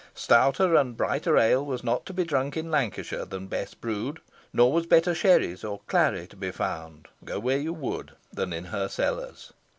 Stouter and brighter ale was not to be drunk in Lancashire than Bess brewed; nor was better sherris or clary to be found, go where you would, than in her cellars.